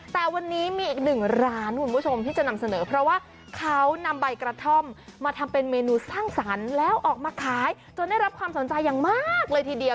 แต่วันนี้มีอีกหนึ่งร้านคุณผู้ชมที่จะนำเสนอเพราะว่าเขานำใบกระท่อมมาทำเป็นเมนูสร้างสรรค์แล้วออกมาขายจนได้รับความสนใจอย่างมากเลยทีเดียว